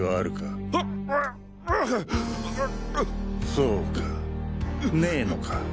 そうかねぇのか。